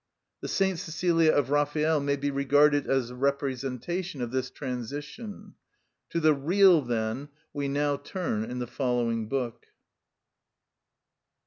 The St. Cecilia of Raphael may be regarded as a representation of this transition. To the real, then, we now turn in the following book.